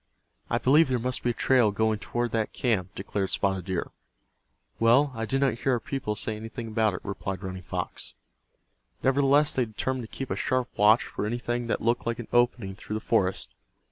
"I believe there must be a trail going toward that camp," declared Spotted Deer. "Well, I did not hear our people say anything about it," replied Running Fox. Nevertheless they determined to keep a sharp watch for anything that looked like an opening through the forest.